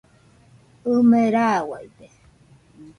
ɨme rauaide.